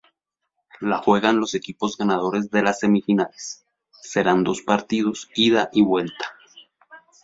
La juegan los equipos ganadores de las semifinales, serán dos partidos ida y vuelta.